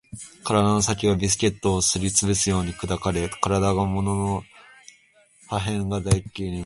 体の先がビスケットをすり潰すように砕かれ、体だったものの破片が大気に舞い